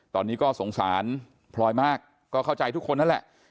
ตอนนี้ก็สงสารพลอยมากก็เข้าใจทุกคนนั่นแหละ